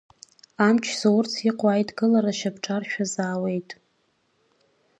Амч заурц иҟоу Аидгылара шьапҿаршә азаауеит.